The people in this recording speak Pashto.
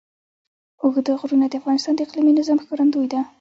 اوږده غرونه د افغانستان د اقلیمي نظام ښکارندوی ده.